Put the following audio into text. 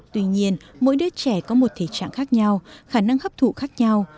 tuy nhiên mỗi đứa trẻ có một thể trạng khác nhau khả năng hấp thụ khác nhau